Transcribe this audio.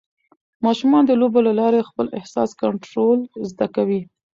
ماشومان د لوبو له لارې د خپل احساس کنټرول زده کوي.